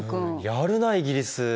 やるなイギリス！